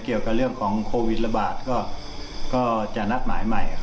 เกี่ยวกับเรื่องของโควิดระบาดก็จะนัดหมายใหม่